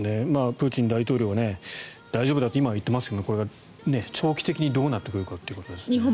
プーチン大統領は大丈夫だと今は言っていますがこれが長期的にどうなってくるかというところですよね。